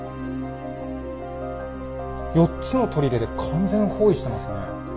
４つの砦で完全包囲してますね。